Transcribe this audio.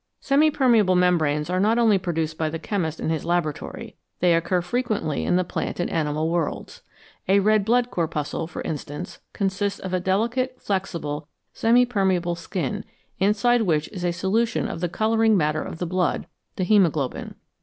Semi permeable membranes are not only produced by the chemist in his laboratory ; they occur frequently in the plant and animal worlds. A red blood corpuscle, for instance, consists of a delicate, flexible, semi permeable skin, inside which is a solution of the colouring matter of the blood, the haemoglobin.